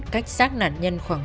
cách sát nạn nhân khoảng ba m